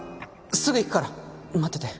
すぐ行くから待ってて